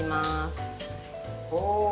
お。